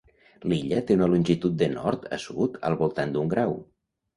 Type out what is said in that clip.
L'illa té una longitud de nord a sud al voltant d'un grau.